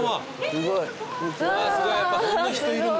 すごい人。